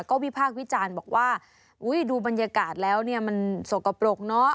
ก็วิพากษ์วิจารณ์บอกว่าดูบรรยากาศแล้วเนี่ยมันสกปรกเนอะ